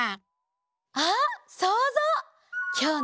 あっそうぞう！